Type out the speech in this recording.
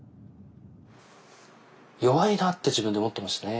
弱いなって自分で思ってましたね。